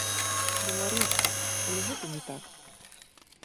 Беларуссю, але гэта не так.